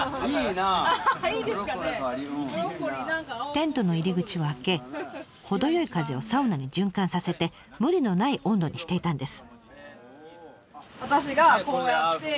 テントの入り口を開け程よい風をサウナに循環させて無理のない温度にしていたんです。